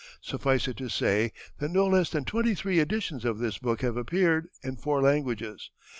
Suffice it to say that no less than twenty three editions of this book have appeared, in four languages.